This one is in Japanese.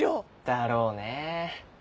だろうね。